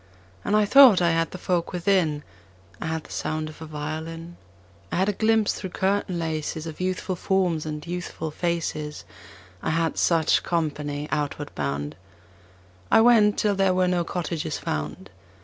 And I thought I had the folk within: I had the sound of a violin; I had a glimpse through curtain laces Of youthful forms and youthful faces. I had such company outward bound. I went till there were no cottages found.